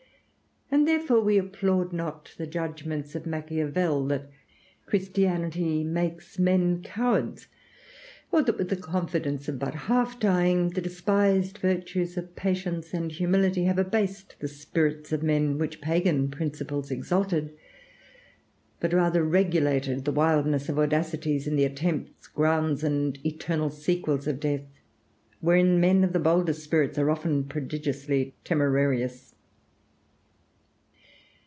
And therefore we applaud not the judgments of Machiavel that Christianity makes men cowards, or that with the confidence of but half dying, the despised virtues of patience and humility have abased the spirits of men, which pagan principles exalted; but rather regulated the wildness of audacities, in the attempts, grounds, and eternal sequels of death, wherein men of the boldest spirits are often prodigiously temerarious.